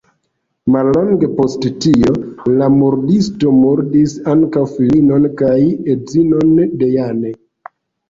Mallonge post tio, la murdisto murdis ankaŭ filinon kaj edzinon de Jane.